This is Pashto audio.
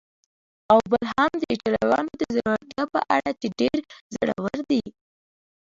او بل هم د ایټالویانو د زړورتیا په اړه چې ډېر زړور دي.